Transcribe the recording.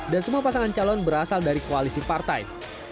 dan semua pasangan calon berasal dari koalisi partai